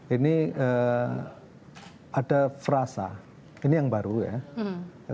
ini ada frasa ini yang baru ya